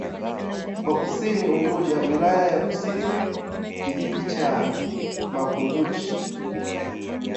wa Kusini Unguja Wilaya ya kusini kijiji cha Makunduchi